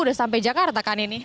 udah sampai jakarta kan ini